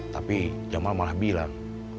tapi jamal malah bilang